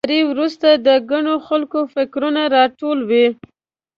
مشورې وروسته د ګڼو خلکو فکرونه راټول وي.